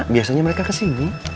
biasanya mereka kesini